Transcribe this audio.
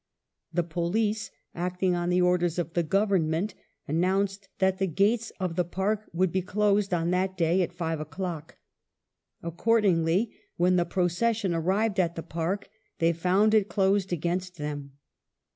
The police, acting on the orders of the Government, announced that the gates of the Park would be closed on that day at five o'clock. Accordingly, when the proces sion arrived at the Park they found it closed against them.